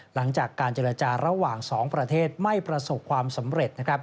หลังจากการเจรจาระหว่าง๒ประเทศไม่ประสบความสำเร็จ